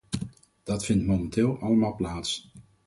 Dat vindt momenteel allemaal plaats.